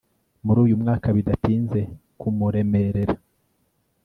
Muri uyu mwuka bidatinze kumuremerera